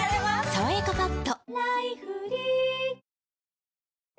「さわやかパッド」